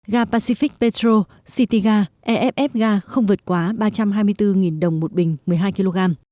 ga pacific petro cityga eff ga không vượt quá ba trăm hai mươi bốn đồng một bình một mươi hai kg